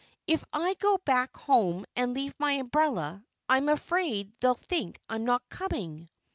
If I go back home and leave my umbrella I'm afraid they'll think I'm not coming."